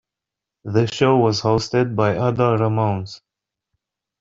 The show was hosted by Adal Ramones.